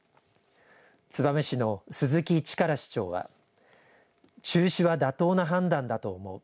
燕市の鈴木力市長は中止は妥当な判断だと思う。